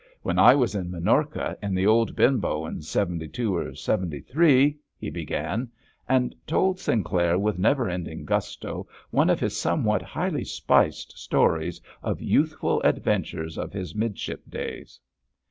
"When I was in Minorca, in the old Benbow, in '72 or '73," he began, and told Sinclair with never ending gusto one of his somewhat highly spiced stories of youthful adventures of his midship days.